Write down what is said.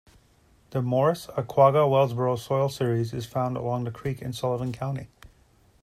The Morris-Oquaga-Wellsboro soil series is found along the creek in Sullivan County.